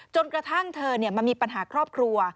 จนกระทั่งเธอมามีปัญหาครอบครัว